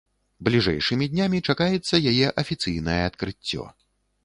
Бліжэйшымі днямі чакаецца яе афіцыйнае адкрыццё.